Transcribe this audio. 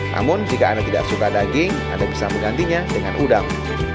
namun jika anda tidak suka daging anda bisa menggantinya dengan udang